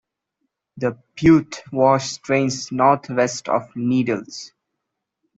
The Piute Wash drains northwest of Needles.